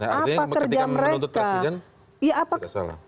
nah artinya ketika menuntut presiden tidak salah